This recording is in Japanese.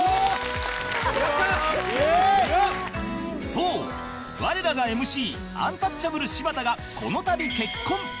そう我らが ＭＣ アンタッチャブル柴田がこの度結婚